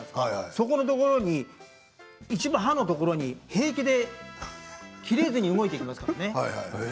そこに一部、刃ところに平気で切れずに動いていきますからね。